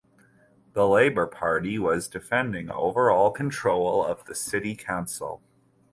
The Labour Party was defending overall control of the council.